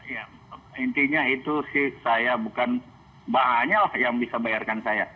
ya intinya itu sih saya bukan banyak lah yang bisa bayarkan saya